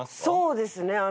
そうですね。